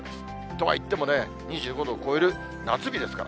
とはいっても、２５度を超える夏日ですから。